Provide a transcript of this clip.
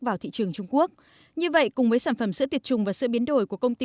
vào thị trường trung quốc như vậy cùng với sản phẩm sữa tiệt trùng và sữa biến đổi của công ty